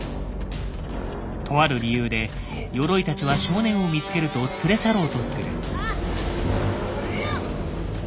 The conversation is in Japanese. とある理由でヨロイたちは少年を見つけると連れ去ろうとする。